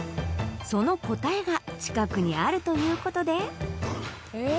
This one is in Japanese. その答えが近くにあるということでえっ？